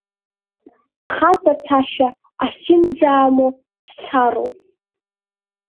Ахаҵа, цашьа ахьынӡамоу, дцалароуп.